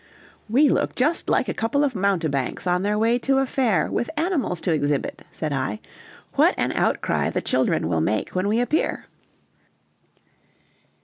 "We look just like a couple of mountebanks on their way to a fair with animals to exhibit," said I. "What an outcry the children will make when we appear!"